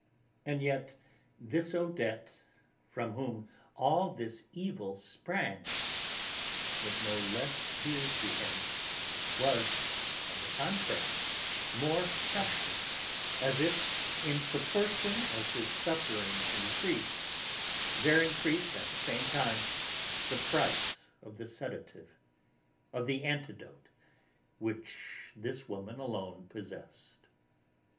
And yet this Odette, from whom all this evil sprang, was no less dear to him, was, on the contrary, more precious, as if, in proportion as his sufferings increased, there increased at the same time the price of the sedative, of the antidote which this woman alone possessed.